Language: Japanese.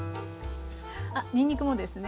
あっにんにくもですね。